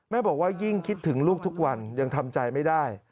บอกว่ายิ่งคิดถึงลูกทุกวันยังทำใจไม่ได้